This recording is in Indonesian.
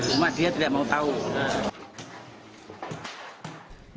cuma dia tidak mau tahu